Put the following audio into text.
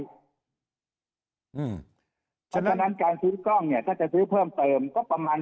เพราะฉะนั้นการซื้อกล้องเนี่ยถ้าจะซื้อเพิ่มเติมก็ประมาณ